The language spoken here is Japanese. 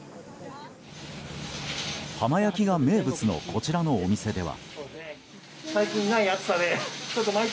浜焼きが名物のこちらのお店では。